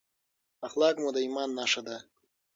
اخلاق مو د ایمان نښه ده.